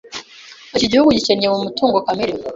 Iki gihugu gikennye mu mutungo kamere.